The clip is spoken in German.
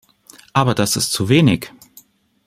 Aber das ist zu wenig!